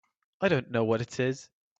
I don't know what it is.